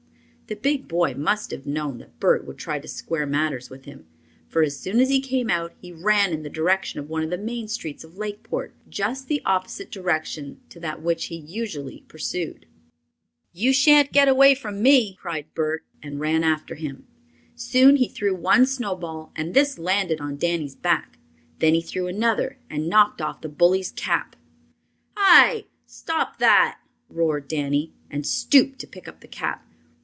The big boy must have known that Bert would try to square matters with him, for as soon as he came out he ran in the direction of one of the main streets of Lakeport, just the opposite direction to that which he usually pursued. "You shan't get away from me!" cried Bert, and ran after him. Soon he threw one snowball and this landed on Danny's back. Then he threw another and knocked off the bully's cap. "Hi! stop that!" roared Danny, and stooped to pick up the cap.